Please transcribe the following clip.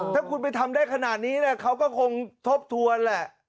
ถ้าคุณไปทำได้ขนาดนี้เขาก็คงทบทวนแหละ